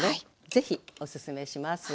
ぜひおすすめします。